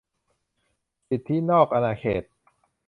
สิทธินอกอาณาเขต